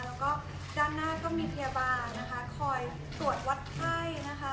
แล้วก็ด้านหน้าก็มีพยาบาลนะคะคอยตรวจวัดไข้นะคะ